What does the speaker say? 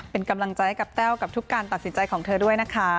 เป็นกำลังใจให้กับแต้วกับทุกการตัดสินใจของเธอด้วยนะคะ